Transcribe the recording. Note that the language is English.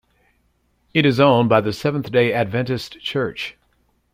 It is owned by the Seventh-day Adventist Church.